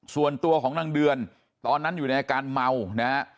ส่วนตัวของนางเดือนตอนนั้นอยู่ในอาการเมานะฮะ